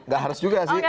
gak harus juga sih